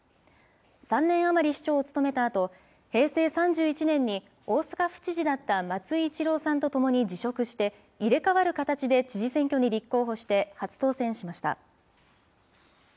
３年余り市長を務めたあと、平成３１年に、大阪府知事だった松井一郎さんとともに辞職して、入れ代わる形で知事選挙に立候補して初当選しました。